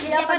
ini apa d